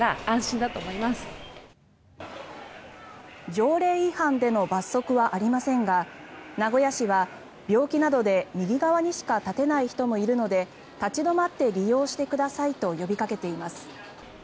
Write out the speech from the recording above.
条例違反での罰則はありませんが名古屋市は、病気などで右側にしか立てない人もいるので立ち止まって利用してくださいと呼びかけています。